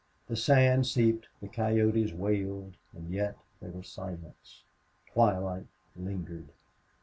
The sand seeped; the coyotes wailed; and yet there was silence. Twilight lingered.